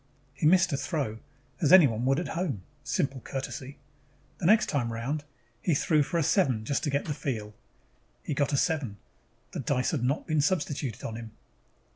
He missed a throw, as anyone would at home: simple courtesy. The next time around, he threw for a seven just to get the feel. He got a seven. The dice had not been substituted on him.